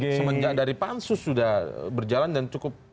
semenjak dari pansus sudah berjalan dan cukup